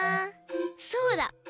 そうだ！